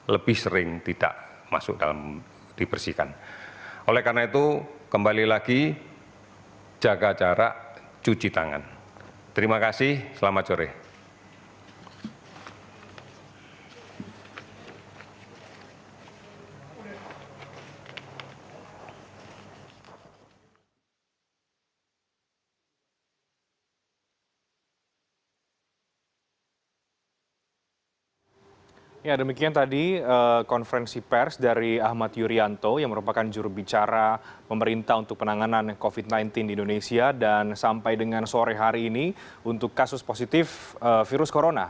lebih sering tidak masuk dalam dibersihkan